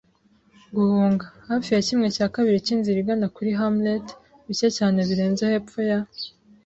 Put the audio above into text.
guhunga. Hafi ya kimwe cya kabiri cyinzira igana kuri hamlet, bike cyane birenze hepfo ya